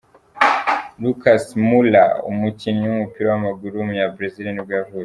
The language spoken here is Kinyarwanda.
Lucas Moura, umukinnyi w’umupira w’amaguru w’umunyabrazil nibwo yavutse.